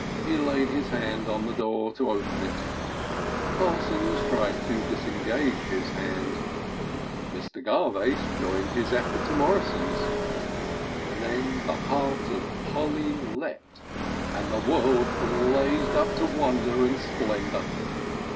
He laid his hand on the door to open it; Parsons tried to disengage his hand. Mr. Garvace joined his effort to Morrison's. Then the heart of Polly leapt and the world blazed up to wonder and splendour.